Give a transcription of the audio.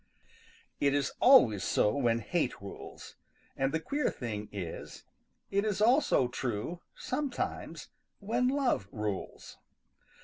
= |IT is always so when hate rules, and the queer thing is it is also true sometimes when love rules.